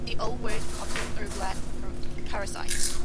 The Old World cuckoos are brood parasites.